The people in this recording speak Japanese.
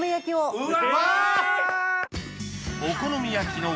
うわ！